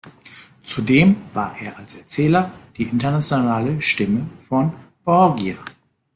Zudem war er als Erzähler die internationale "Stimme von Borgia".